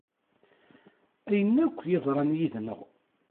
Ayen akk yeḍran yid-neɣ.